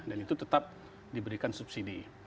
dan itu tetap diberikan subsidi